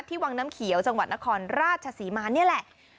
วังน้ำเขียวจังหวัดนครราชศรีมานี่แหละ